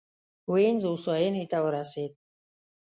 وینز هوساینې ته ورسېد.